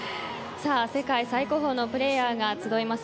世界最高峰のプレーヤーが集います